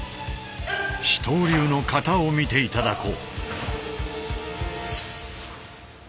糸東流の形を見て頂こう。